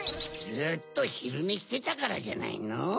ずっとひるねしてたからじゃないの？